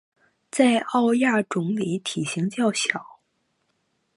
在豹亚种里体型偏小。